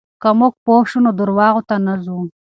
که موږ پوه شو، نو درواغو ته نه ځو.